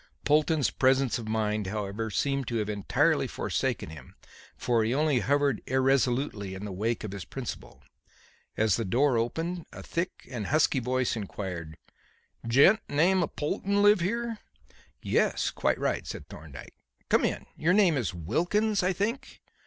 Polton's presence of mind, however, seemed to have entirely forsaken him, for he only hovered irresolutely in the wake of his principal. As the door opened, a thick and husky voice inquired: "Gent of the name of Polton live here?" "Yes, quite right," said Thorndyke. "Come in. Your name is Wilkins, I think?"